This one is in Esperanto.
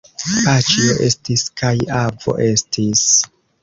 Paĉjo estis kaj avo estis.